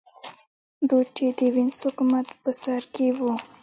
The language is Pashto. دوج چې د وینز حکومت په سر کې و